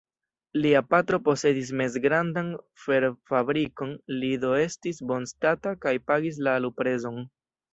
Lia patro posedis mezgrandan ferfabrikon, li do estis bonstata kaj pagis la luprezon.